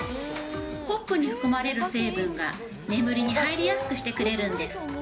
ホップに含まれる成分が、眠りに入りやすくしてくれるんです。